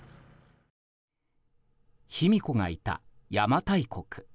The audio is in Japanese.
卑弥呼がいた邪馬台国。